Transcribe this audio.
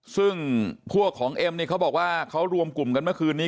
ซึ่งพวกของเอ็มนี่เขาบอกว่าเขารวมกลุ่มกันเมื่อคืนนี้